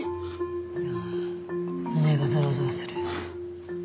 ああ胸がざわざわする。